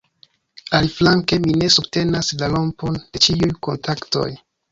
Aliflanke mi ne subtenas la rompon de ĉiuj kontaktoj.